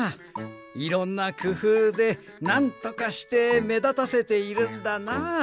いろんなくふうでなんとかしてめだたせているんだなあ。